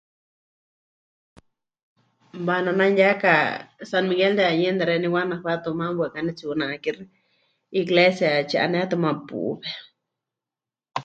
Waana ne'anuyaka San Miguel de Allende xeeníu Guanajuato, maana waɨká pɨnetsi'unakixɨ, Iglesia tsi 'anétɨ maana púwe.